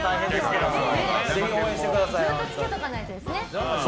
ずっとつけとかなきゃですね。